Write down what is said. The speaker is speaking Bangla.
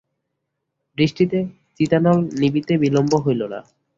বৃষ্টিতে চিতানল নিবিতে বিলম্ব হইল না।